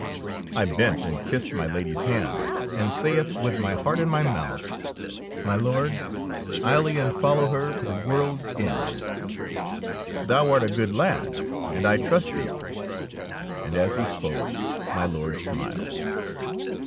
I bent and kissed my Lady^s hand, and saith with my heart in my mouth, "My Lord, I'll e'en follow her to the world's end." ''Thou art a good lad, and I trust thee"; and as he spoke, my Lord smiled.